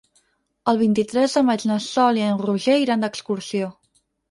El vint-i-tres de maig na Sol i en Roger aniran d'excursió.